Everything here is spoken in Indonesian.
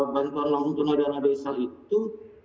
bantuan langsung tunai dana desa itu